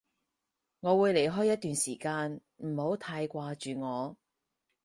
我會離開一段時間，唔好太掛住我